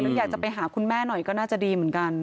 อยากจะไปหาคุณแม่หน่อยก็น่าจะดีเหมือนกัน